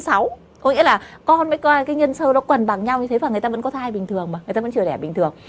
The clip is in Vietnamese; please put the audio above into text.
đau có nghĩa là con mới coi cái nhân sơ nó quần bằng nhau như thế và người ta vẫn có thai bình thường mà người ta vẫn chừa đẻ bình thường